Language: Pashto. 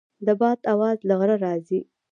د باد اواز له غره راځي.